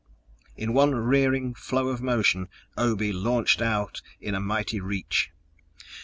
In one rearing flow of motion, Obe launched out in a mighty reach.